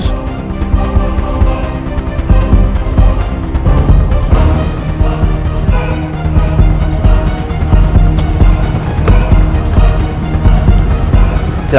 kau mau ke kantornya